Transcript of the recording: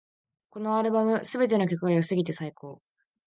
このアルバム、すべての曲が良すぎて最高